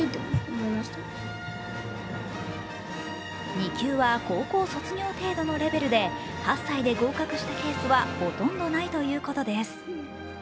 ２級は高校卒業程度のレベルで８歳で合格したケースはほとんどないということです。